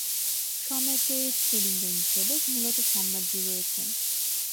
সম্রাটের স্ত্রীলিঙ্গ হিসেবে মূলত সম্রাজ্ঞী রয়েছেন।